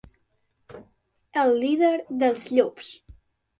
El líder dels llops.